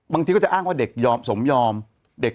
มันติดคุกออกไปออกมาได้สองเดือน